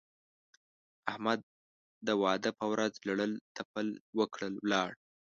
احمد د واده په ورځ لړل تپل وکړل؛ ولاړ.